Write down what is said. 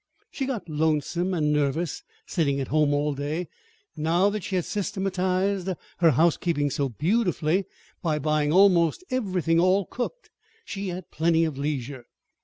She got lonesome and nervous, sitting at home all day; and now that she had systematized her housekeeping so beautifully by buying almost everything all cooked, she had plenty of leisure.